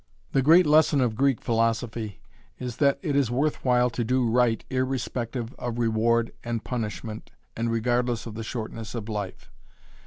The great lesson of Greek philosophy is that it is worth while to do right irrespective of reward and punishment and regardless of the shortness of life.